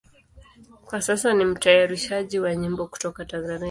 Kwa sasa ni mtayarishaji wa nyimbo kutoka Tanzania.